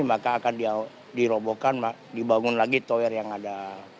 maka akan dirobohkan dibangun lagi tower yang ada